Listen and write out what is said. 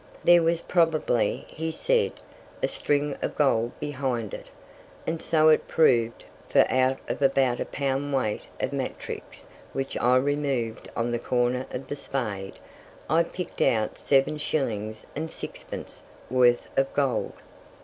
There was probably, he said, a string of gold behind it. And so it proved, for out of about a pound weight of matrix which I removed on the corner of the spade, I picked out 7 shillings and 6 pence worth of gold.